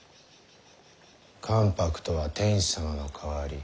関白とは天子様の代わり。